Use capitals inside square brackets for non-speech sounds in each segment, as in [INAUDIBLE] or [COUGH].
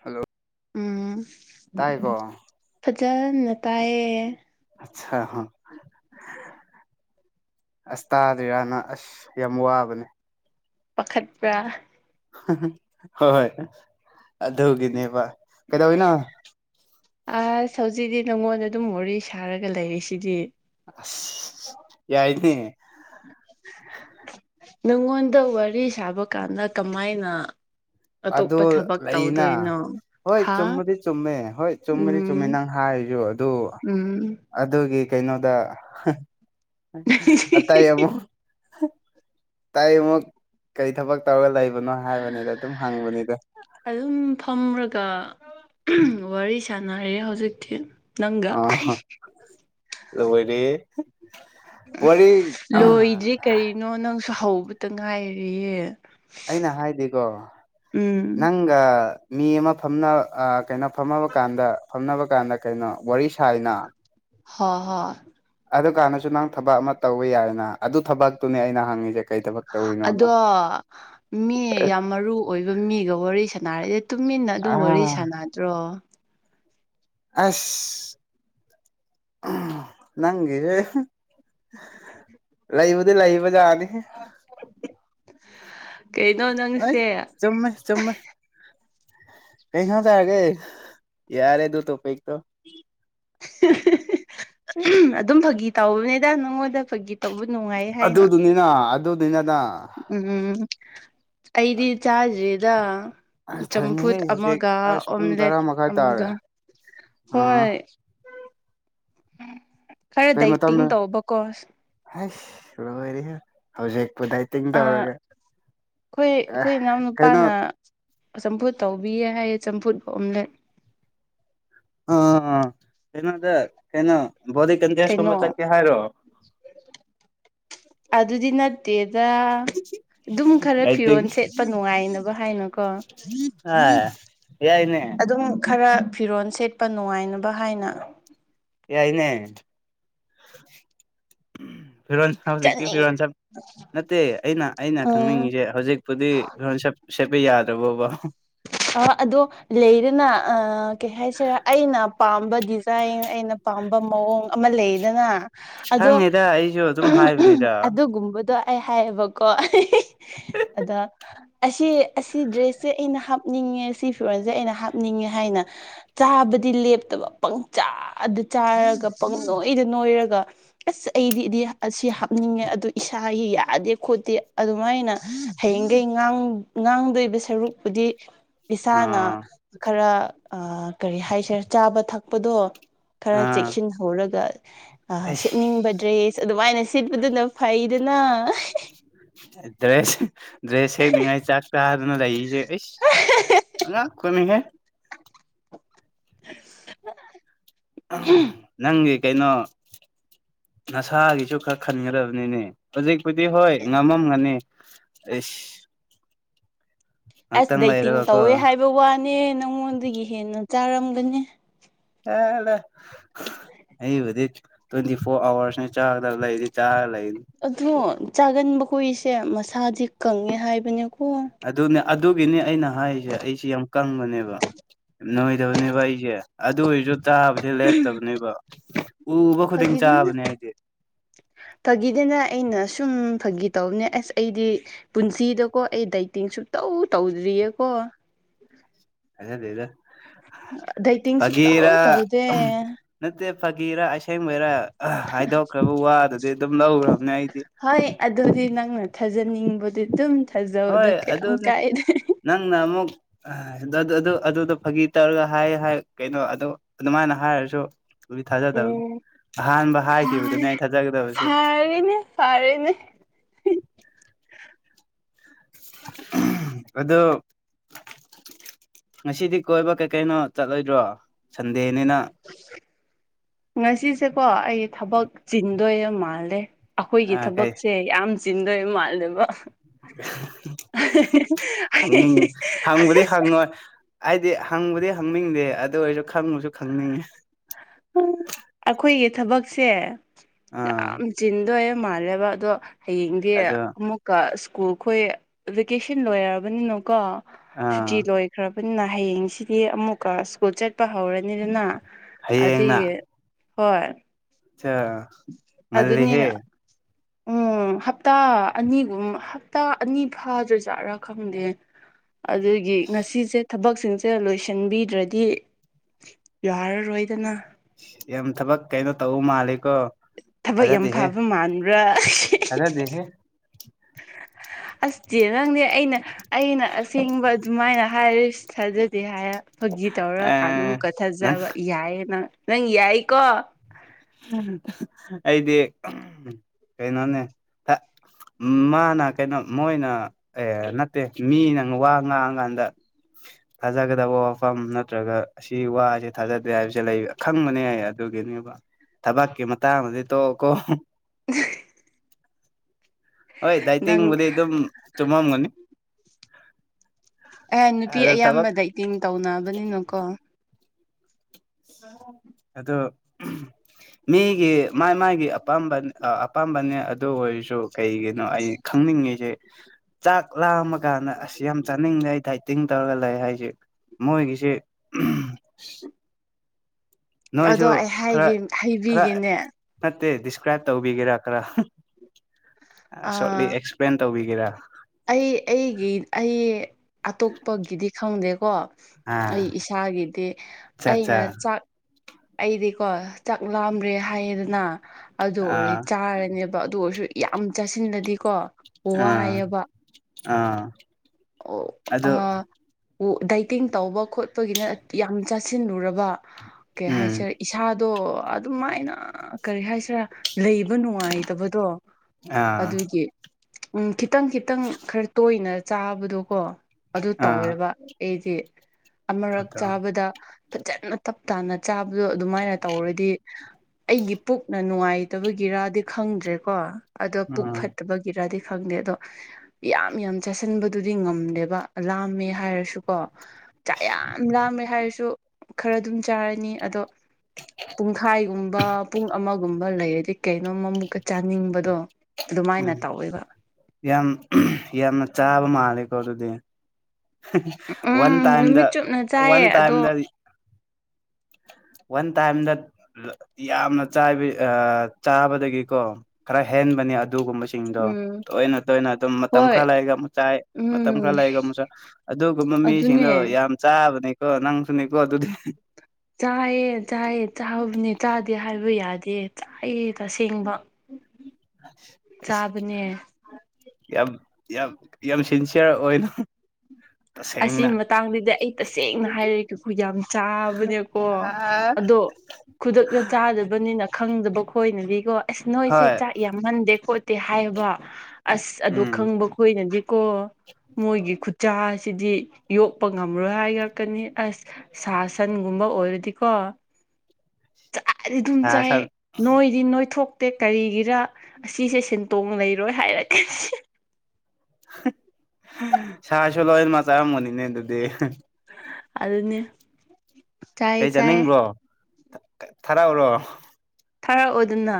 hello ꯎꯝ ꯇꯥꯏꯀꯣ ꯐꯖꯅ ꯇꯥꯏꯌꯦ ꯑꯆꯥ [UNINTELLIGIBLE] ꯑꯁ ꯇꯥꯗ꯭ꯔꯤ ꯔꯅ ꯑꯁ ꯌꯥꯝ ꯋꯥꯕꯅꯦ ꯄꯥꯈꯠꯄ꯭ꯔꯥ ꯍꯣꯏ ꯑꯗꯨꯒꯤꯅꯦꯕ ꯀꯩꯗꯧꯔꯤꯅꯣ ꯑꯁ ꯍꯧꯖꯤꯛꯗꯤ ꯅꯪꯉꯣꯟꯗ ꯑꯗꯨꯝ ꯋꯥꯔꯤ ꯁꯥꯔꯒ ꯂꯩꯔꯤꯁꯤꯗꯤ ꯑꯁ ꯌꯥꯏꯅꯦ ꯅꯪꯉꯣꯟꯗ ꯋꯥꯔꯤ ꯁꯥꯕ ꯀꯥꯟꯗ ꯀꯃꯥꯏꯅ ꯑ ꯑꯇꯣꯞꯄ ꯊꯕꯛ ꯂꯩꯅ ꯇꯧꯗꯣꯏꯅꯣ ꯍꯣꯏ ꯍꯥ ꯆꯨꯝꯕꯗꯤ ꯆꯨꯝꯃꯦ ꯍꯣꯏ ꯆꯨꯝꯃꯅꯤ ꯆꯨꯝꯃꯦ ꯎꯝ ꯅꯪ ꯍꯥꯏꯔꯤꯁꯨ ꯑꯗꯨ ꯎꯝ ꯑꯗꯨꯒꯤ ꯀꯩꯅꯣꯗ ꯑꯇꯩ ꯑꯃꯨꯛ ꯇꯥꯏ ꯑꯃꯨꯛ ꯀꯔꯤ ꯊꯕꯛ ꯇꯧꯔꯒ ꯂꯩꯕꯅꯣ ꯍꯥꯏꯕꯅꯤꯗ ꯑꯗꯨꯝ ꯍꯪꯡꯕꯅꯤꯗ ꯑꯗꯨꯝ ꯐꯝꯔꯒ ꯋꯥꯔꯤ ꯁꯥꯟꯅꯔꯦ ꯍꯧꯖꯤꯛꯇꯤ ꯅꯪꯒ ꯑ ꯂꯣꯏꯔꯦ ꯋꯥꯔꯤ ꯑ ꯥ ꯅꯣ ꯅꯪꯁꯨ ꯍꯧꯕꯇ ꯉꯥꯏꯔꯤꯌꯦ ꯑꯩꯅ ꯍꯥꯏꯗꯤꯀꯣ ꯎꯝ ꯅꯪ ꯅꯪꯒ ꯃꯤ ꯑꯃ ꯐꯝꯅ ꯑꯥ ꯀꯩꯅꯣ ꯐꯝꯃꯕ ꯀꯥꯟꯗ ꯐꯝꯅꯕ ꯀꯥꯟꯗ ꯀꯩꯅꯣ ꯋꯥꯔꯤ ꯁꯥꯏꯅ ꯍꯣꯏ ꯍꯣꯏ ꯑꯗꯨ ꯀꯥꯟꯗꯁꯨ ꯅꯪ ꯊꯕꯛ ꯑꯃ ꯇꯧꯕ ꯌꯥꯏꯅ ꯑꯗꯨ ꯊꯕꯛꯇꯨꯅꯦ ꯑꯩꯅ ꯍꯪꯉꯤꯁꯦ ꯀꯩ ꯊꯕꯛ ꯇꯧꯔꯤꯅꯣꯅ ꯑꯗꯣ ꯃꯤ ꯌꯥꯝ ꯃꯔꯨ ꯑꯣꯏꯕ ꯃꯤꯒ ꯋꯥꯔꯤ ꯁꯥꯟꯅꯔꯗꯤ ꯇꯨꯃꯤꯟꯅ ꯑꯗꯨꯝ ꯋꯥꯔꯤ ꯑꯥ ꯁꯥꯟꯅ ꯇ꯭ꯔꯣ ꯑꯁ ꯅꯪꯒꯤꯁꯦ ꯂꯩꯕꯨꯗꯤ ꯂꯩꯕꯖꯥꯅꯤ ꯍꯦ ꯀꯩꯅꯣ ꯑꯩ ꯅꯪꯁꯦ ꯆꯨꯝꯃꯦ ꯆꯨꯝꯃꯦ ꯀꯩ ꯏꯟꯁꯥꯡ ꯆꯔꯥꯒꯦ ꯌꯥꯔꯦ ꯑꯗꯨ ꯇꯣꯄꯩꯛꯇꯣ ꯑꯗꯨꯝ ꯐꯥꯒꯤ ꯇꯧꯕꯅꯤꯗ ꯅꯪꯉꯣꯟꯗ ꯐꯥꯒꯤ ꯇꯧꯕ ꯅꯨꯡꯉꯥꯏ ꯑꯗꯨꯗꯨꯅꯤꯅ ꯑꯗꯨꯗꯤꯅꯗ ꯎꯝ ꯎꯝ ꯑꯩꯗꯤ ꯆꯥꯗ꯭ꯔꯤꯗ ꯑꯁ ꯊꯦꯡꯉꯦꯍꯦ ꯆꯝꯐꯨꯠ ꯍꯧꯖꯤꯛ ꯑꯃꯒ ꯑꯁ ꯄꯨꯡ ꯑꯣꯝꯂꯦꯠ ꯇꯔꯥ ꯃꯈꯥꯏ ꯑꯃꯒ ꯇꯥꯔꯦ ꯑꯥ ꯍꯣꯏ ꯈꯔ ꯀꯩ ꯗꯥꯏꯇꯤꯡ ꯃꯇꯝꯅꯣ ꯇꯧꯕꯀꯣ ꯍꯩꯁ ꯂꯣꯏꯔꯦꯍꯦ ꯍꯧꯖꯤꯛꯄꯨ ꯗꯥꯏꯇ ꯑ ꯑꯩꯈꯣꯏ ꯑꯦ ꯑꯩꯈꯣꯏ ꯏꯅꯥꯎ ꯀꯩꯅꯣ ꯅꯨꯄꯥꯅ ꯆꯝꯐꯨꯠ ꯇꯧꯕꯤꯌꯦ ꯍꯥꯏꯌꯦ ꯆꯝꯐꯨꯠ ꯑꯣꯝꯂꯦꯠ ꯑ ꯀꯩꯅꯣꯗ ꯀꯩꯅꯣ ꯕꯣꯗꯤ ꯀꯩꯅꯣ ꯀꯟꯇꯦꯁꯀꯨꯝꯕ ꯆꯠꯀꯦ ꯍꯥꯏꯔꯣ ꯑꯗꯨꯗꯤ ꯅꯠꯇꯦꯗ ꯑꯗꯨꯝ ꯈꯔ ꯗꯥꯏꯇꯤꯡ ꯐꯤꯔꯣꯜ ꯁꯦꯠꯄ ꯅꯨꯡꯉꯥꯏꯅꯕ ꯍꯥꯏꯅꯀꯣ ꯑꯥ ꯌꯥꯏꯅꯦ ꯑꯗꯨꯝ ꯈꯔ ꯐꯤꯔꯣꯜ ꯁꯦꯠꯄ ꯅꯨꯡꯉꯥꯏꯅꯕ ꯍꯥꯏꯅ ꯌꯥꯏꯅꯦ ꯎꯝ ꯐꯤꯔꯣꯟ ꯍꯧꯖꯤꯛꯇꯤ ꯆꯠꯅꯤꯡ ꯐꯤꯔꯣꯟ ꯆꯠ ꯅꯠꯇꯦ ꯑꯩꯅ ꯑꯩꯅ ꯎꯝ ꯈꯪꯅꯤꯡꯉꯤꯁꯦ ꯍꯧꯖꯤꯛ ꯄꯨꯨꯗꯤ ꯐꯤꯔꯣꯟ ꯁꯦꯠ ꯁꯦꯠꯄ ꯌꯥꯗ꯭ꯔꯕꯣꯕ ꯑ ꯑꯗꯣ ꯂꯩꯗꯅ ꯑ ꯀꯩ ꯍꯥꯏꯁꯤꯔ ꯑꯩꯅ ꯄꯥꯝꯕ ꯗꯤꯖꯥꯏꯟ ꯑꯩꯅ ꯄꯥꯝꯕ ꯃꯑꯣꯡ ꯑꯃ ꯂꯩꯗꯅ ꯑꯗꯣ ꯈꯪꯉꯤꯗ ꯑꯩꯁꯨ ꯑꯗꯨꯝ ꯎꯝ ꯎꯝ ꯍꯥꯏꯕꯅꯤꯗ ꯑꯗꯨꯒꯨꯝꯕꯗꯣ ꯑꯩ ꯍꯥꯏꯌꯦꯕꯀꯣ ꯑꯗꯣ ꯑꯁꯤ ꯑꯁꯤ ꯗ꯭ꯔꯦꯁꯁꯦ ꯑꯩꯅ ꯍꯥꯞꯅꯤꯡꯉꯦ ꯁꯤ ꯐꯤꯔꯣꯟꯁꯦ ꯑꯩꯅ ꯍꯥꯞꯅꯤꯡꯉꯦ ꯍꯥꯏꯅ ꯆꯥꯕꯗꯤ ꯂꯦꯞꯇꯕ ꯄꯪ ꯆꯥꯗ ꯆꯥꯔꯒ ꯄꯪ ꯅꯣꯏꯗ ꯅꯣꯏꯔꯒ ꯑꯁ ꯑꯩꯗꯤꯗꯤ ꯑꯁꯤ ꯍꯥꯞꯅꯤꯡꯉꯦ ꯑꯗꯨ ꯏꯁꯥꯒꯤ ꯌꯥꯗꯦ ꯈꯣꯠꯇꯦ ꯑꯗꯨꯃꯥꯏꯅ ꯍꯌꯦꯡꯈꯩ ꯉꯥꯡ ꯉꯥꯡꯗꯣꯏꯕ ꯁꯔꯨꯛꯄꯨꯗꯤ ꯏꯁꯥꯅ ꯑꯥ ꯈꯔ ꯀꯔꯤ ꯍꯥꯏꯁꯔ ꯆꯥꯕ ꯊꯛꯄꯗꯣ ꯈꯔ ꯑꯥ ꯆꯦꯛꯁꯤꯟꯅ ꯍꯧꯔꯒ ꯑꯩꯁ ꯁꯤꯠꯅꯤꯡꯕ ꯗ꯭ꯔꯦꯁ ꯑꯗꯨꯃꯥꯏꯅ ꯁꯤꯠꯄꯗꯨꯅ ꯐꯩꯗꯅ ꯗ꯭ꯔꯦꯁ ꯗ꯭ꯔꯦꯁ ꯁꯦꯛꯅꯤꯡꯉꯥꯏ ꯆꯥꯛ ꯆꯥ ꯅꯪꯅ ꯂꯩꯔꯤꯁꯦ ꯑꯩꯁ ꯑꯉꯛꯄꯅꯤꯍꯦ [UNINTELLIGIBLE] ꯅꯪꯒꯤ ꯀꯩꯅꯣ ꯅꯁꯥꯒꯤꯁꯨ ꯈꯔ ꯈꯟꯒ꯭ꯔꯕꯅꯤꯅꯦ ꯍꯧꯖꯤꯛꯄꯨꯗꯤ ꯍꯣꯏ ꯉꯝꯃꯝꯒꯅꯤ ꯑꯁ ꯑꯁ ꯇꯥꯏ ꯇꯤꯡ ꯂꯩꯔꯒꯀꯣ ꯇꯧꯋꯦ ꯍꯥꯏꯕ ꯋꯥꯅꯦ ꯅꯪꯉꯣꯟꯗꯒꯤ ꯍꯦꯟꯅ ꯆꯥꯔꯝꯒꯅꯤ ꯄꯦꯜꯂꯦ ꯑꯩꯕꯨꯗꯤ ꯇ꯭ꯋꯦꯟꯇꯤ ꯐꯣꯔ ꯑꯋꯥꯔꯁꯅꯦ ꯆꯥꯒꯗꯕ ꯂꯩꯔꯗꯤ ꯆꯥ ꯂꯩ ꯑꯗꯣ ꯆꯥꯒꯟꯕ ꯀꯣꯏꯏꯁꯦ ꯃꯁꯥꯗꯤ ꯀꯪꯉꯦ ꯍꯥꯏꯕꯅꯦꯀꯣ ꯑꯗꯨꯅꯦ ꯑꯗꯨꯒꯤꯅꯤ ꯑꯩꯅ ꯍꯥꯏꯔꯤꯁꯦ ꯑꯩꯁꯦ ꯌꯥꯝ ꯀꯪꯕꯅꯦꯕ ꯅꯣꯏꯗꯕꯅꯦꯕ ꯑꯩꯁꯦ ꯑꯗꯨ ꯑꯣꯏꯔꯁꯨ ꯆꯥꯕꯁꯦ ꯂꯦꯞꯇꯕꯅꯦꯕ ꯎꯕ ꯈꯨꯗꯤꯡ ꯐꯥꯒꯤꯗꯅ ꯆꯥꯕꯅꯦ ꯑꯩꯗꯤ [INAUDIBLE] ꯐꯥꯒꯤꯗꯅ ꯑꯩꯅ ꯁꯨꯝ ꯐꯥꯒꯤ ꯇꯧꯕꯅꯦ ꯑꯁ ꯑꯩꯗꯤ ꯄꯨꯟꯁꯤꯗꯀꯣ ꯑꯩ ꯗꯥꯏꯇꯤꯡ ꯁꯨꯡꯇꯧ ꯇꯧꯗ꯭ꯔꯤꯌꯦꯀꯣ ꯊꯥꯖꯗꯦꯗ ꯗꯥꯏ-ꯇꯤꯡ ꯁꯨꯡꯇꯧ ꯐꯥꯒꯤꯔ ꯇꯧꯗꯦ ꯅꯠꯇꯦ ꯐꯥꯒꯤꯔ ꯑꯁꯦꯡꯕꯩꯔ ꯍꯥꯏꯗꯣꯛꯈ꯭ꯔꯕ ꯋꯥꯗꯨꯗꯤ ꯑꯗꯨꯝ ꯂꯧꯈ꯭ꯔꯕꯅꯦ ꯑꯩꯗꯤ ꯍꯣꯏ ꯑꯗꯨꯗꯤ ꯅꯪꯅ ꯊꯥꯖꯅꯤꯡꯕꯗꯤ ꯑꯗꯨꯝ ꯊꯥꯖꯕꯗ ꯀꯌꯥꯝ ꯀꯥꯏꯗꯦ ꯅꯪ ꯅ ꯑꯃꯨꯛ ꯑ ꯑꯗꯨꯗꯣ ꯐꯥꯒꯤ ꯇꯧꯔꯒ ꯍꯥꯏ ꯍꯥꯏ ꯀꯩꯅꯣ ꯑꯗꯨ ꯑꯗꯨꯃꯥꯏꯅ ꯍꯥꯏꯔꯁꯨ ꯑꯗꯨꯗꯤ ꯊꯥꯖꯗꯕꯅꯤ ꯎꯝ ꯑꯍꯥꯟꯕ ꯍꯥꯏꯈꯤꯕꯗꯨꯅꯦ ꯑꯩ ꯊꯥꯖꯒꯗꯕꯁꯦ ꯐꯔꯦꯅꯦ ꯐꯔꯦꯅꯦ ꯑꯗꯣ ꯉꯁꯤꯗꯤ ꯀꯣꯏꯕ ꯀꯩꯀꯩꯅꯣ ꯆꯠꯂꯣꯏꯗ꯭ꯔꯣ ꯁꯟꯗꯦꯅꯤꯅ ꯉꯁꯤꯁꯦꯀꯣ ꯑꯩ ꯊꯕꯛ ꯆꯤꯟꯗꯣꯏ ꯃꯥꯜꯂꯦ ꯑꯩꯈꯣꯏꯒꯤ ꯀꯩ ꯊꯕꯛꯁꯦ ꯌꯥꯝ ꯆꯤꯟꯗꯣꯏ ꯃꯥꯜꯂꯦꯕ ꯈꯪꯅꯤꯡꯉꯦ ꯍꯪꯕꯗꯤ ꯍꯪꯉꯣꯏ ꯑꯩꯗꯤ ꯍꯪꯕꯗꯤ ꯍꯪꯅꯤꯡꯗꯦ ꯑꯗꯨ ꯑꯣꯏꯔꯁꯨ ꯈꯪꯉꯁꯨ ꯈꯪꯅꯤꯡꯉꯦ ꯑꯩꯈꯣꯏꯒꯤ ꯊꯕꯛꯁꯦ ꯑꯥ ꯌꯥꯝ ꯆꯤꯟꯗꯣꯏ ꯃꯥꯜꯂꯦꯕ ꯑꯗꯣ ꯍꯌꯦꯡꯗꯤ ꯑꯗꯣ ꯑꯃꯨꯛ ꯁ꯭ꯀꯨꯜ ꯈꯣꯏ ꯚꯦꯀꯦꯁꯟ ꯂꯣꯏꯔꯕꯅꯤꯅ ꯀꯣ ꯑꯥ ꯁꯨꯇꯤ ꯂꯣꯏꯈ꯭ꯔ ꯄꯨꯟꯅ ꯍꯌꯦꯡꯁꯤꯗꯤ ꯑꯃꯨꯛꯀ ꯁ꯭ꯀꯨꯜ ꯆꯠꯄ ꯍꯧꯔꯅꯤꯗꯅ ꯑꯗꯨꯒꯤ ꯍꯣꯏ ꯆꯥ ꯑꯗꯨꯅꯤꯅ ꯎꯝ ꯑꯣ ꯍꯞꯇꯥ ꯑꯅꯤꯒꯨꯝ ꯍꯞꯇꯥ ꯑꯅꯤ ꯐꯥꯗ꯭ꯔꯖꯥꯠꯔꯥ ꯈꯪꯗꯦ ꯑꯗꯨꯒꯤ ꯉꯁꯤꯁꯦ ꯊꯕꯛꯁꯤꯡꯁꯦ ꯂꯣꯏꯁꯤꯟꯕꯤꯗ꯭ꯔꯗꯤ ꯌꯥꯔꯔꯣꯏꯗꯅ ꯌꯥꯝ ꯊꯕꯛ ꯀꯩꯅꯣ ꯇꯧꯕ ꯃꯥꯜꯂꯤꯀꯣ ꯊꯕꯛ ꯌꯥꯝ ꯐꯕ ꯃꯥꯟꯕ꯭ꯔꯥ ꯊꯥꯖꯗꯦꯍꯦ ꯑꯁ [UNINTELLIGIBLE] ꯅꯪꯅꯦ ꯑꯩꯅ ꯑꯩꯅ ꯑꯁꯦꯡꯕ ꯑꯗꯨꯃꯥꯏꯅ ꯍꯥꯏꯔꯁꯤ ꯊꯥꯖꯗꯦ ꯍꯥꯏꯔ ꯐꯥꯒꯤ ꯑ ꯇꯧꯔꯀꯥꯟꯗ ꯑꯃꯨꯛꯀꯥ ꯅꯪ ꯊꯥꯖꯕ ꯌꯥꯏꯌꯦ ꯅꯪ ꯅꯪ ꯌꯥꯏꯀꯣ ꯑꯩꯗꯤ ꯀꯩꯅꯣꯅꯦ ꯃꯥꯅ ꯀꯩꯅꯣ ꯃꯣꯏꯅ ꯑꯦ ꯅꯠꯇꯦ ꯃꯤ ꯅꯪ ꯋꯥ ꯉꯥꯡꯉꯀꯥꯟꯗ ꯊꯥꯖꯒꯗꯕ ꯋꯥꯐꯝ ꯅꯠꯇ꯭ꯔꯒ ꯑꯁꯤ ꯋꯥꯁꯦ ꯊꯥꯖꯗꯦ ꯍꯥꯏꯕꯁꯦ ꯂꯩꯕ ꯈꯪꯕꯅꯦ ꯑꯗꯨꯒꯤꯅꯦꯕ ꯊꯕꯛꯀꯤ ꯃꯇꯥꯡꯗꯗꯤ ꯇꫭꯛꯑꫭꯀꫭ ꯍꯣꯏ ꯅꯪ ꯗꯥꯏꯇꯤꯡꯕꯨꯗꯤ ꯑꯗꯨꯝ ꯆꯨꯝꯃꯝꯒꯅꯤ ꯑꯦ ꯅꯨꯄꯤ ꯑꯗ ꯊꯕꯛ ꯑꯌꯥꯝꯕꯗ ꯗꯥꯏꯇꯤꯡ ꯇꯧꯅꯕꯅꯤꯅꯀꯣ ꯑꯗꯣ ꯃꯤꯒꯤ ꯃꯥꯏ ꯃꯥꯒꯤ ꯑꯄꯥꯝꯕ ꯑꯄꯥꯝꯕꯅꯦ ꯑꯗꯨ ꯑꯣꯏꯔꯁꯨ ꯀꯩꯒꯤꯅꯣ ꯑꯩ ꯈꯪꯅꯤꯡꯉꯤꯁꯦ ꯆꯥꯛ ꯂꯥꯝꯃ ꯀꯥꯟꯗ ꯑꯁ ꯌꯥꯝ ꯆꯥꯅꯤꯡꯗꯦ ꯑꯩ ꯗꯥꯏꯇꯤꯡ ꯇꯧꯔꯒ ꯂꯩ ꯍꯥꯏꯁꯦ ꯃꯣꯏꯒꯤꯁꯦ ꯑꯗꯣ ꯅꯣꯏꯁꯨ ꯑꯩꯍꯥꯏꯒꯦ ꯍꯩꯕꯤꯒꯦꯅꯦ ꯃꯠꯇꯦ ꯗꯤꯁꯀ꯭ꯔꯥꯞ ꯇꯧꯕꯤꯒꯦꯔꯥ ꯈꯔꯥ ꯁꫭꯠꯂꯤ ꯑꯥ ꯑꯦꯛꯁ ꯄ꯭ꯂꯦꯟ ꯇꯧꯕꯤꯒꯦꯔꯥ ꯑꯩ ꯑꯩꯒꯤ ꯑꯩ ꯑꯇꯣꯞꯄꯒꯤꯗꯤ ꯈꯪꯗꯦꯀꯣ ꯑꯥ ꯑꯩ ꯏꯁꯥꯒꯤꯗꯤ ꯑꯠꯆꯥ ꯑꯠꯆꯥ ꯑꯩꯅ ꯆꯥꯛ ꯑꯩꯗꯤꯀꯣ ꯆꯥꯛ ꯂꯥꯗ꯭ꯔꯦ ꯍꯥꯏꯌꯦꯗꯅ ꯑꯗꯨ ꯑꯣꯏꯔ ꯑꯥ ꯆꯥꯔꯅꯦꯕ ꯕ ꯑꯗꯨ ꯑꯣꯏꯔꯁꯨ ꯌꯥꯝ ꯆꯥꯁꯤꯟꯅꯗꯤꯀꯣ ꯑꯥ ꯑꯥ ꯑ ꯑꯗꯣ ꯑꯣ ꯗꯥꯏꯇꯤꯡ ꯇꯧꯕ ꯈꯣꯠꯄꯒꯤꯅ ꯌꯥꯝ ꯆꯥꯁꯤꯜꯂꯨꯔꯕ ꯀꯩ ꯎꯝ ꯍꯥꯏꯁꯤꯔꯥ ꯏꯁꯥ ꯑꯗꯣ ꯑꯗꯨꯝꯥꯏꯅ ꯀꯔꯤ ꯍꯥꯏꯁꯤꯔꯥ ꯂꯩꯕ ꯅꯨꯡꯉꯥꯏꯇꯕꯗꯣ ꯑꯥ ꯑꯗꯨꯒꯤ ꯎꯝ ꯈꯤꯇꯪ ꯈꯤꯇꯪ ꯈꯔ ꯇꯣꯏꯅ ꯆꯥꯕꯗꯣꯀꯣ ꯑꯗꯨ ꯑꯥ ꯇꯧꯋꯦꯕ ꯑꯩꯗꯤ ꯑꯃꯔꯛ ꯑꯗꯣ ꯆꯥꯕꯗ ꯐꯖꯅ ꯇꯥꯞ ꯇꯥꯟꯅ ꯆꯥꯕꯗꯣ ꯑꯗꯨꯃꯥꯏꯅ ꯇꯧꯔꯗꯤ ꯑꯩꯒꯤ ꯄꯨꯛꯅ ꯅꯨꯡꯉꯥꯏꯇꯕꯒꯤꯔꯗꯤ ꯈꯪꯗ꯭ꯔꯦꯀꯣ ꯑꯗꯣ ꯄꯨꯛ ꯎꯝ ꯐꯠꯇꯕ ꯏꯔꯗꯤ ꯈꯪꯗꯦ ꯑꯗꯣ ꯌꯥꯝ ꯌꯥꯝ ꯆꯁꯤꯟꯕ ꯑꯗꯨꯗꯤ ꯉꯝꯗꯦꯕ ꯂꯥꯝꯃꯦ ꯍꯥꯏꯔꯁꯨꯀꯣ ꯥꯆꯥꯛ ꯌꯥꯝ ꯂꯥꯝꯃꯦ ꯍꯥꯏꯔꯁꯨ ꯈꯔ ꯑꯗꯨꯝ ꯆꯥꯔꯅꯤ ꯑꯗꯣ ꯄꯨꯡꯈꯥꯏꯒꯨꯝꯕ ꯄꯨꯡ ꯑꯃꯒꯨꯝꯕ ꯂꯩꯔꯗꯤ ꯀꯩꯅꯣꯝ ꯃꯃꯨꯛꯀ ꯆꯥꯅꯤꯡꯕꯗꯣ ꯑꯗꯨꯃꯥꯏꯅ ꯎꯝ ꯇꯧꯋꯦꯕ ꯌꯥꯝ ꯌꯥꯝꯅ ꯆꯥꯕ ꯃꯥꯜꯂꯦꯀꯣ ꯑꯗꯨꯗꯤ ꯋꯥꯟ ꯎꯝ ꯇꯥꯏꯝꯗ ꯅꯨꯃꯤꯠ ꯆꯨꯞꯅ ꯋꯥꯟ ꯆꯥꯏꯌꯦ ꯇꯥꯏꯝꯗ ꯑꯗꯣ ꯋꯥꯟ ꯇꯥꯏꯝꯗ ꯌꯥꯝꯅ ꯆ ꯆꯥꯕꯗꯒꯤꯀꯣ ꯈꯔ ꯍꯦꯟꯕꯅꯦ ꯑꯗꯨꯒꯨꯝꯕ ꯁꯤꯡꯗꯣ ꯎꯝ ꯇꯣꯏꯅ ꯇꯣꯏꯅ ꯑꯗꯨꯝ ꯃꯇꯝ ꯍꯣꯏ ꯈꯔ ꯂꯩꯔꯒ ꯑꯃꯨꯛ ꯆꯥꯏ ꯃꯇꯝ ꯎꯝ ꯈꯔ ꯂꯩꯔꯒ ꯑꯃꯨꯛ ꯆꯥꯏ ꯑꯗꯨꯒꯨꯝꯕ ꯑꯗꯨꯅꯦ ꯃꯤꯁꯤꯡꯗꯣ ꯌꯥꯝ ꯆꯥꯕꯅꯦꯀꯣ ꯅꯪꯁꯨꯅꯦꯀꯣ ꯑꯗꯨꯗꯤ ꯆꯥꯏꯌꯦ ꯆꯥꯏꯌꯦ ꯆꯥꯕꯗꯤ ꯆꯥꯗꯦ ꯍꯥꯏꯕ ꯌꯥꯗꯦ ꯆꯥꯏꯑꯦ ꯇꯁꯦꯡꯕ ꯆꯥꯕꯅꯦ ꯌꯥꯝ ꯌꯥꯝ ꯌꯥꯝ ꯁꯤꯟꯁꯤꯌꯔ ꯑꯣꯏꯅ ꯑꯁꯤ ꯇꯁꯦꯡꯅ ꯃꯇꯥꯡꯗꯤꯗ ꯑꯩ ꯇꯁꯦꯡꯅ ꯍꯥꯏꯔꯦ ꯀꯦꯀꯨ ꯌꯥꯝ ꯆꯥꯕꯅꯦꯀꯣ ꯑ ꯑꯗꯣ ꯈꯨꯗꯛꯇ ꯆꯥꯗꯕꯅꯤꯅ ꯈꯪꯗꯕ ꯈꯣꯏꯅꯗꯤꯀꯣ ꯑꯁ ꯅꯣꯏꯁꯦ ꯍꯣꯏ ꯆꯥꯛ ꯌꯥꯝꯍꯟꯗꯦ ꯈꯣꯠꯇꯦ ꯍꯥꯏꯕ ꯑꯁ ꯑꯗꯨ ꯎꯝ ꯈꯪꯕ ꯈꯣꯏꯅꯗꯤꯀꯣ ꯃꯣꯏꯒꯤ ꯈꯨꯠꯆꯥ ꯑꯁꯤꯗꯤ ꯌꯣꯛꯄ ꯉꯝꯔꯣꯏ ꯍꯥꯏꯔꯛꯀꯅꯤ ꯑꯁ ꯁꯥ ꯁꯟꯒꯨꯝꯕ ꯑꯣꯏꯔꯗꯤꯀꯣ [UNINTELLIGIBLE] [INAUDIBLE] ꯆꯗꯤ ꯑꯗꯨꯝ ꯁꯥ ꯆꯥꯏ ꯁꯟ ꯅꯣꯏꯗꯤ ꯅꯣꯏꯊꯣꯛꯇꯦ ꯀꯔꯤꯒꯤꯔ ꯑꯁꯤꯁꯦ ꯁꯦꯟꯇꯣꯡ ꯂꯩꯔꯥꯕ ꯍꯥꯏꯔꯛꯀꯅꯤ ꯁꯥꯁꯨ ꯂꯣꯏ ꯃꯥ ꯆꯥꯔꯝꯒꯅꯤꯅꯦ ꯑꯗꯨꯗꯤ ꯑꯗꯨꯅꯦ ꯆꯥꯏꯌꯦ ꯀꯩ ꯆꯥꯏꯌꯦ ꯆꯥꯅꯤꯡꯕ꯭ꯔꯣ ꯊꯥ ꯊ ꯊꯥꯔꯛꯎꯔꯣ ꯊꯥꯔꯛꯎꯗꯅ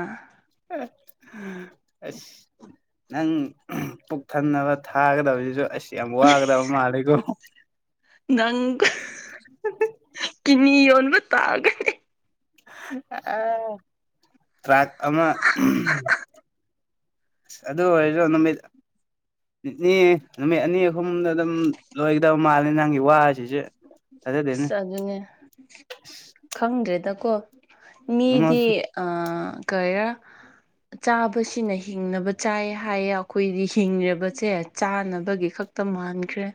ꯑꯁ ꯅꯪ ꯄꯨꯛ ꯊꯟꯅꯕ ꯊꯥꯒꯗꯕꯁꯤꯁꯨ ꯑꯁ ꯌꯥꯝ ꯋꯥꯒꯗꯕ ꯃꯥꯜꯂꯦꯀꯣ ꯅꯪ [INAUDIBLE] ꯀꯤꯠꯅꯤ ꯌꯣꯟꯕ ꯇꯥꯒꯅꯤ ꯇ꯭ꯔꯥꯛ ꯑꯃ ꯑꯗꯨ ꯑꯣꯏꯔꯖꯨ ꯅꯨꯃꯤꯠ [UNINTELLIGIBLE] ꯅꯨꯃꯤꯠ ꯑꯅꯤ ꯑꯍꯨꯝꯗ ꯑꯗꯨꯝ ꯂꯣꯏꯒꯗꯕ ꯃꯥꯜꯂꯦ ꯅꯪꯒꯤ ꯋꯥꯁꯤꯁꯦ ꯊꯥꯖꯗꯦꯅꯦ ꯑꯁ ꯑꯗꯨꯅꯦ ꯈꯪꯗꯦꯗꯀꯣ ꯅꯉꯣꯟ ꯃꯤꯗꯤ ꯑ ꯀꯩꯔ ꯆꯥꯕꯁꯤꯅ ꯍꯤꯡꯅꯕ ꯆꯥꯏ ꯍꯥꯏꯌꯦ ꯑꯩꯈꯣꯏꯗꯤ ꯍꯤꯡꯔꯕꯁꯦ ꯆꯥꯅꯕꯒꯤ ꯈꯛ ꯇ ꯃꯥꯟꯈ꯭ꯔꯦ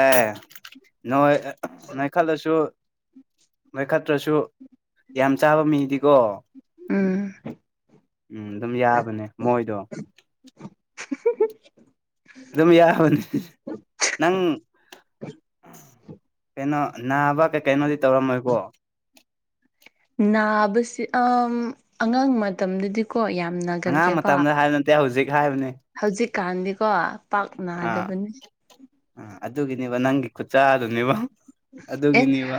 ꯑꯦ ꯅꯣꯏ ꯑ ꯅꯪ ꯈꯠꯂꯁꯨ ꯅꯣꯏꯈꯠꯇ꯭ꯔꯁꯨ ꯌꯥꯝ ꯆꯥꯕ ꯃꯤꯗꯤꯀꯣ ꯎꯝ ꯎꯝ ꯑꯗꯨꯝ ꯌꯥꯕꯅꯦ ꯃꯣꯏꯗꯣ [INAUDIBLE] ꯑꯗꯨꯝ ꯌꯥꯕꯅꯤ ꯅꯪ ꯀꯩꯅꯣ ꯅꯥꯕ ꯀꯩ ꯀꯩꯅꯣꯗꯤ ꯇꯧꯔꯝꯃꯣꯏꯀꯣ ꯅꯥꯕꯁꯦ ꯑꯉꯥꯡ ꯃꯇꯝꯗꯗꯤ ꯀꯣ ꯌꯥꯝ ꯅꯥꯒꯜ ꯑꯉꯥꯡ ꯂꯦꯕ ꯃꯇꯝꯗ ꯍꯥꯏꯕ ꯅꯠꯇꯦ ꯍꯧꯖꯤꯛ ꯍꯥꯏꯕꯅꯦ ꯍꯧꯖꯤꯛꯀꯥꯟꯗꯤꯀꯣ ꯄꯥꯛ ꯑꯥ ꯅꯥꯗꯕꯅꯤ ꯑꯗꯨꯒꯤꯅꯦꯕ ꯅꯪꯒꯤ ꯈꯨꯠꯆꯥꯗꯨꯅꯦꯕ ꯑꯦ ꯑꯗꯨꯒꯤꯅꯦꯕ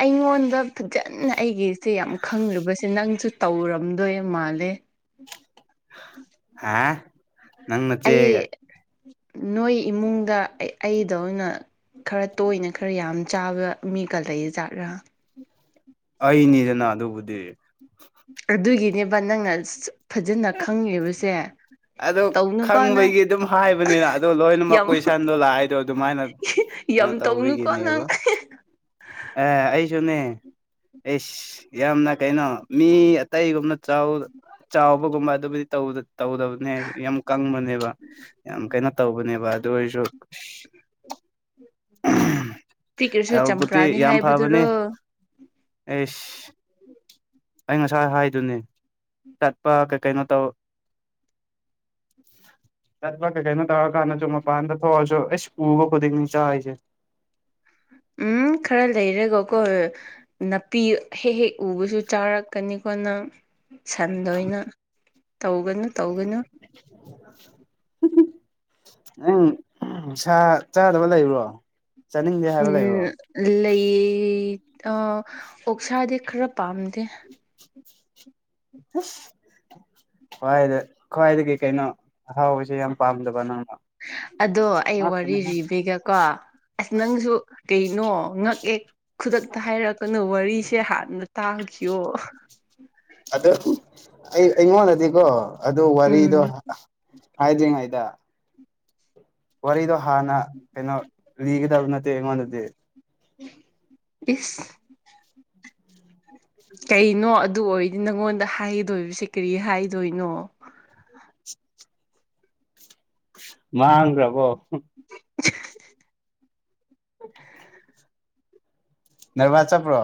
ꯑꯩꯉꯣꯟꯗ ꯐꯖꯅ ꯑꯩꯒꯤꯁꯦ ꯌꯥꯝ ꯈꯪꯔꯤꯕꯁꯦ ꯅꯪꯁꯨ ꯇꯧꯔꯝꯗꯣꯏ ꯃꯥꯜꯂꯦ ꯍꯥ ꯅꯪ ꯑꯩ ꯅꯆꯦꯒ ꯅꯣꯏ ꯏꯃꯨꯡꯗ ꯑꯩ ꯗꯧꯅ ꯈꯔ ꯇꯣꯏꯅ ꯈꯔ ꯌꯥꯝ ꯆꯥꯕ ꯃꯤꯒ ꯂꯩ ꯖꯥꯠꯔ ꯑꯩꯅꯤꯗꯅ ꯑꯗꯨꯕꯨꯗꯤ ꯑꯗꯨꯒꯤꯅꯦꯕ ꯅꯪꯅ ꯐꯖꯅ ꯈꯪꯔꯤꯕꯁꯦ ꯑꯣ ꯈꯪꯕꯒꯤ ꯑꯗꯨꯝ ꯍꯥꯏꯕꯅꯤꯅ ꯑꯗꯣ ꯂꯣꯏꯅ ꯃꯛ ꯌꯥꯝ ꯀꯣꯏꯁꯟꯗꯣ ꯂꯥꯛꯏꯗꯣ ꯑꯗꯨꯃꯥꯏꯅ ꯀꯩꯅꯣ ꯌꯥꯝ ꯇꯧꯅꯨꯀꯣ ꯇꯧꯕꯤꯒꯤꯅꯦꯕ ꯅꯪ ꯑꯦ ꯑꯩꯁꯨꯅꯦ ꯑꯦꯁ ꯌꯥꯝꯅ ꯀꯩꯅꯣ ꯃꯤ ꯑꯇꯩꯒꯨꯝꯅ ꯆꯥꯎ ꯆꯥꯎꯕꯒꯨꯝꯕ ꯑꯗꯨꯕꯨꯗꯤ ꯇꯧꯗ ꯇꯧꯗꯕꯅꯦꯕ ꯌꯥꯝ ꯀꯪꯕꯅꯦꯕ ꯌꯥꯝ ꯀꯩꯅ ꯇꯧꯕꯅꯦꯕ ꯑꯗꯨ ꯑꯩꯁꯨ ꯄꯤꯛꯈ꯭ꯔꯁꯨ ꯍꯦꯜꯕꯨꯗꯤ ꯆꯝꯄ꯭ꯔꯥꯅꯤ ꯌꯥꯝ ꯐꯕꯅꯤ ꯍꯥꯏꯕꯗꯨꯔꯣ ꯑꯦꯁ ꯑꯩ ꯉꯁꯥꯏ ꯍꯥꯏꯗꯨꯅꯦ ꯆꯠꯄ ꯀꯩ ꯀꯩꯅꯣ ꯇꯧ [INAUDIBLE] ꯆꯠꯄ ꯀꯩ ꯀꯩꯅꯣ ꯇꯧꯔ ꯀꯥꯟꯅꯁꯨ ꯃꯄꯥꯟꯗ ꯊꯣꯛꯑꯁꯨ ꯑꯦꯁ ꯎꯕ ꯈꯨꯗꯤꯡꯅꯤ ꯆꯥꯏꯁꯦ ꯎꯝ ꯈꯔ ꯂꯩꯔꯒꯀꯣ ꯅꯥꯄꯤ ꯍꯦꯛ ꯍꯦꯛ ꯎꯕꯁꯨ ꯆꯥꯔꯛꯀꯅꯤꯀꯣ ꯅꯪ ꯁꯟ ꯑꯣꯏꯅ ꯇꯧꯒꯅꯨ ꯇꯧꯒꯅꯨ [INAUDIBLE] ꯅꯪ ꯁꯥꯥ ꯆꯥꯗꯕ ꯂꯩꯕ꯭ꯔꯣ ꯆꯥꯅꯤꯡꯗꯦ ꯍꯥꯏꯕ ꯎꯝ ꯂꯩꯕ꯭ꯔꯣ ꯂꯩ ꯑꯥ ꯑꯣꯛꯁꯥꯗꯤ ꯈꯔ ꯄꯥꯝꯗꯦ ꯑꯁ ꯈ꯭ꯋꯥꯏꯗ ꯈ꯭ꯋꯥꯏꯗꯒꯤ ꯀꯩꯅꯣ ꯑꯍꯥꯎꯕꯁꯦ ꯌꯥꯝ ꯄꯥꯝꯗꯕ ꯅꯪꯅ ꯑꯗꯣ ꯑꯩ ꯋꯥꯔꯤ ꯉꯥꯛꯇꯅꯤꯍꯦ ꯔꯤꯕꯤꯒꯦ ꯀꯣ ꯑꯁ ꯅꯪꯁꯨ ꯀꯩꯅꯣ ꯉꯛꯑ ꯈꯨꯗꯛꯇ ꯍꯥꯏꯔꯛꯀꯅꯨ ꯋꯥꯔꯤꯁꯦ ꯍꯥꯟꯅ ꯇꯥꯒꯤꯁꯤꯌꯣ ꯑꯗꯣ ꯑꯩ ꯑꯩꯉꯣꯟꯗꯗꯤꯀꯣ ꯑꯗꯨ ꯋꯥꯔꯤꯗꯣ ꯎꯝ ꯍꯥꯏꯗ꯭ꯔꯤꯉꯩꯗ ꯋꯥꯔꯤꯗꯣ ꯍꯥꯟꯅ ꯀꯩꯅꯣ ꯂꯤꯒꯗꯕ ꯅꯠꯇꯦ ꯑꯩꯉꯣꯟꯗꯗꯤ ꯏꯁ ꯀꯩꯅꯣ ꯑꯗꯨ ꯑꯣꯏꯗꯤ ꯅꯪꯉꯣꯟꯗ ꯍꯥꯏꯗꯣꯏꯕꯁꯦ ꯀꯔꯤ ꯍꯥꯏꯗꯣꯏꯅꯣ ꯃꯥꯡꯒ꯭ꯔꯕꯣ [UNINTELLIGIBLE] ꯅꯔꯕꯥ ꯆꯠꯄ꯭ꯔꯣ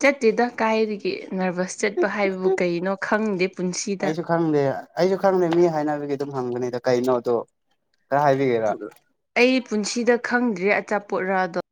ꯆꯠꯇꯦꯗ ꯀꯥꯏꯗꯒꯤ ꯅꯔꯚꯁ ꯆꯠꯄ ꯍꯥꯏꯕꯕꯨ ꯀꯩꯅꯣ ꯈꯪꯗꯦ ꯄꯨꯟꯁꯤꯗ ꯑꯩꯁꯨ ꯈꯪꯗꯦ ꯑꯩꯁꯨ ꯈꯪꯗꯦ ꯃꯤ ꯍꯥꯏꯅꯕꯒꯤ ꯑꯗꯨꯝ ꯍꯪꯕꯅꯤꯗ ꯀꯩꯅꯣꯗꯣ ꯈꯔ ꯍꯥꯏꯕꯤꯒꯦꯔ ꯑꯩ ꯄꯨꯟꯁꯤꯗ ꯈꯪꯗ꯭ꯔꯤ ꯑꯆꯥꯄꯣꯠ ꯔꯗꯣ